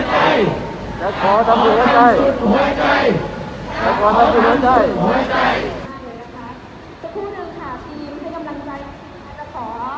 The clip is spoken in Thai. และขอตำแหน่งรักษาในความรักษาในความรักษา